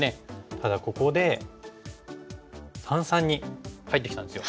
ただここで三々に入ってきたんですよ。